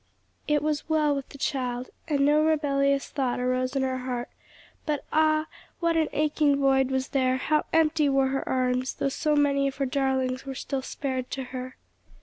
"It was well with the child," and no rebellious thought arose in her heart, but ah, what an aching void was there! how empty were her arms, though so many of her darlings were still spared to her.